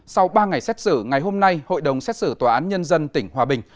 sau ba ngày xét xử ngày hôm nay hội đồng xét xử tòa án nhân dân tỉnh hòa bình